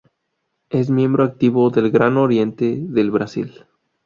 Es miembro activo del Gran Oriente del Brasil.